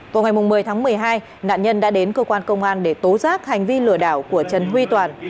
vào ngày một mươi tháng một mươi hai nạn nhân đã đến cơ quan công an để tố giác hành vi lừa đảo của trần huy toàn